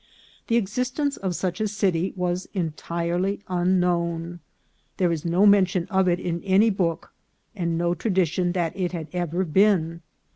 The existence of such a city was entirely unknown ; there is no mention of it in any book, and no tradition that it had ever been.